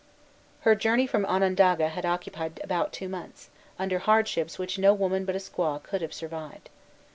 Her journey from Onondaga had occupied about two months, under hardships which no woman but a squaw could have survived.